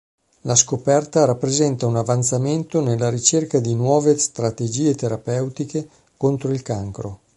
La scoperta rappresenta un avanzamento nella ricerca di nuove strategie terapeutiche contro il cancro.